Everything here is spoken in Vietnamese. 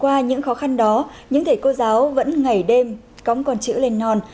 qua những khó khăn đó những thể cô giáo vẫn ngày đêm cống con chữ lên non